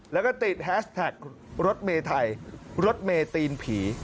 แล้วก็ติดแฮสแท็กรถเมไทยรถเมตีนผี